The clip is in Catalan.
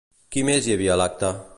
Qui més hi havia a l'acte?